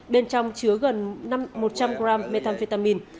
bên trong chứa gần một trăm linh g methamphetamine